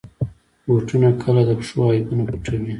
بوټونه کله د پښو عیبونه پټوي.